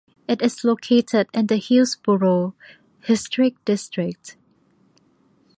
It is located in the Hillsborough Historic District.